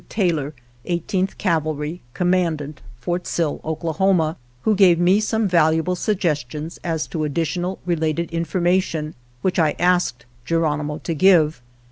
Taylor, Eighteenth Cavalry, commandant, Fort Sill, Oklahoma, who gave me some val uable suggestions as to additional related information which I asked Geronimo to give.